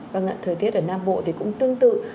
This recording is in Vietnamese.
vâng ạ thời tiết ở nam bộ thì cũng tương tự